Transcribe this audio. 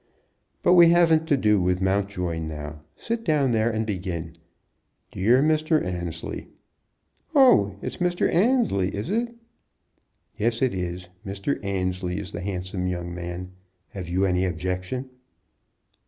"But we haven't to do with Mountjoy now. Sit down there and begin. 'Dear Mr. Annesley '" "Oh! It's Mr. Annesley, is it?" "Yes, it is. Mr. Annesley is the handsome young man. Have you any objection?"